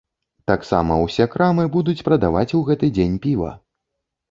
Таксама ўсе крамы будуць прадаваць у гэты дзень піва.